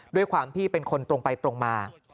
ด้วยความที่เป็นคนตรงไปตรงมา